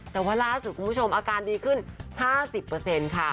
แต่ว่าล่าสุดคุณผู้ชมอาการดีขึ้น๕๐ค่ะ